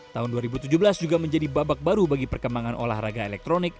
tahun dua ribu tujuh belas juga menjadi babak baru bagi perkembangan olahraga elektronik